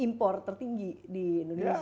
impor tertinggi di indonesia